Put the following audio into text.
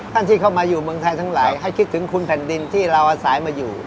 ที่เข้ามาอยู่เมืองไทยทั้งหลายให้คิดถึงคุณแผ่นดินที่เราอาศัยมาอยู่